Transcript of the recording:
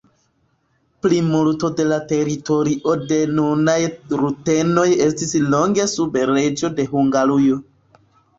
Plimulto de la teritorio de nunaj rutenoj estis longe sub reĝo de Hungarujo.